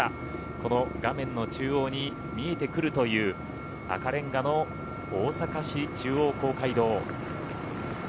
この画面の中央に見えてくるという赤煉瓦の大阪市中央公会堂。